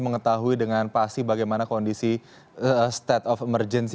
mengetahui dengan pasti bagaimana kondisi state of emergency